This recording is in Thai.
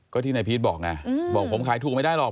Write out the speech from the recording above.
ก็ที่นายพีชบอกไงบอกผมขายถูกไม่ได้หรอก